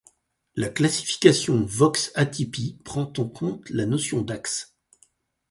La classification Vox-Atypi prend en compte la notion d'axe.